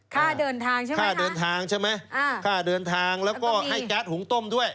ค่าเดินทางใช่ไหมค่าเดินทางแล้วก็ให้แก๊สหุงต้มด้วย